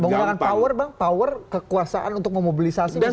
menggunakan power bang power kekuasaan untuk memobilisasi